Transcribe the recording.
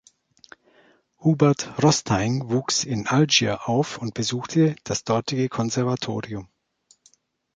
Hubert Rostaing wuchs in Algier auf und besuchte das dortige Konservatorium.